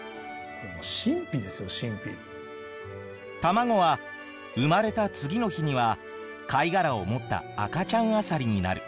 卵は生まれた次の日には貝殻を持った赤ちゃんアサリになる。